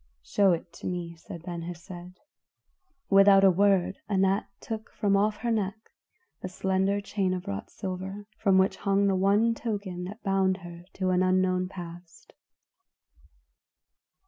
"Show it to me," said Ben Hesed. Without a word Anat took from off her neck the slender chain of wrought silver, from which hung the one token that bound her to an unknown past.